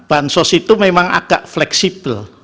bahan sos itu memang agak fleksibel